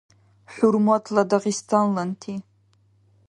ХӀурматла дагъистанланти!